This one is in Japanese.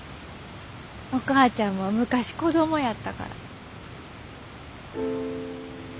お母ちゃんも昔子供やったから。